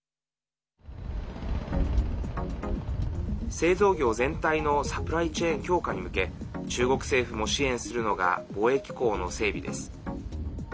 製造業全体のサプライチェーン強化に向け中国政府も支援するのが貿易港の整備です。